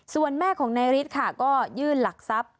ส่วนแม่ของนายฤทธิ์ค่ะก็ยื่นหลักทรัพย์